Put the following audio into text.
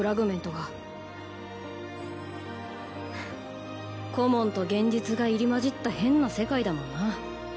はぁコモンと現実が入り交じった変な世界だもんな。